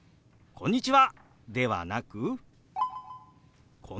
「こんにちは。